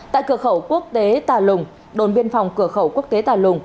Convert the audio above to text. tại cửa khẩu quốc tế tà lùng đồn biên phòng cửa khẩu quốc tế tà lùng